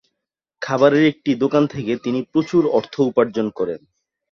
খাবারের একটি দোকান থেকে তিনি প্রচুর অর্থ উপার্জন করেন।